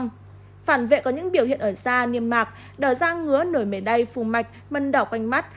phản vệ có những biểu hiện ở da niêm mạc đỏ da ngứa nổi mề đay phù mạch mân đỏ quanh mắt